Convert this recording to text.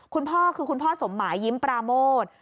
คุณพ่อคือคุณพ่อสมหมายยิ้มปราโมท